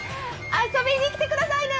遊びに来てくださいねー！